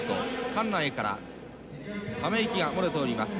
館内からため息が漏れております。